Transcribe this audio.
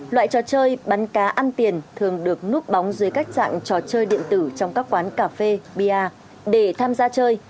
loại trò chơi bán cá ăn tiền thường được núp bóng dưới các trạng trò chơi điện tử trong các quán cà phê bia để tham gia chơi